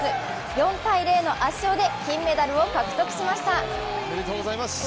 ４−０の圧勝で金メダルを獲得しました。